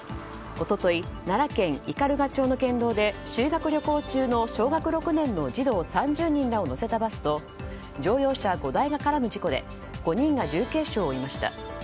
一昨日、奈良県斑鳩町の県道で修学旅行中の小学６年の児童３０人を乗せたバスと乗用車５台が絡む事故で５人が重軽傷を負いました。